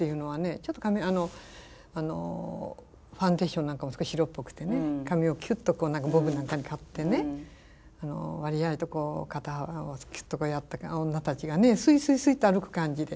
ちょっとファンデーションなんかも少し白っぽくてね髪をキュッとボブなんかに刈ってね割合とこう肩をキュッとやった女たちがねスイスイスイと歩く感じで。